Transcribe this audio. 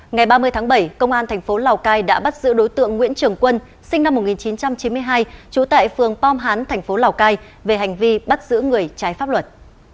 ngày ba mươi tháng bảy công an thành phố lào cai đã bắt giữ đối tượng nguyễn trường quân sinh năm một nghìn chín trăm chín mươi hai trú tại phường pom hán thành phố lào cai về hành vi bắt giữ người trái pháp luật